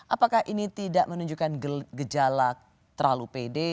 apakah ini tidak menunjukkan gejala terlalu pede